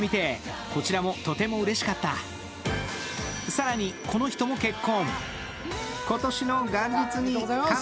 さらに、この人も結婚。